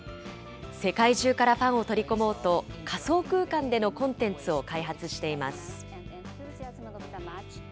世界中からファンを取り込もうと、仮想空間でのコンテンツを開発しています。